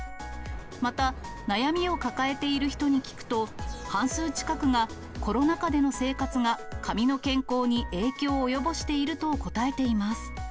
また悩みを抱えている人に聞くと、半数近くが、コロナ禍での生活が髪の健康に影響を及ぼしていると答えています。